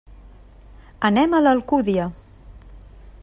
Anem a l'Alcúdia.